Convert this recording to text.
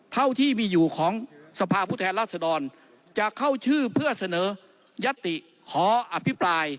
เท่าที่มีอยู่ของสภาพผู้แทนราชดรจะเข้าชื่อเพื่อเสนอยัตติขออภิปราย